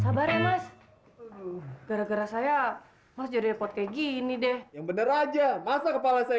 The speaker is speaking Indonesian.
sabar ya mas aduh gara gara saya mas jadi repot kayak gini deh yang bener aja masa kepala saya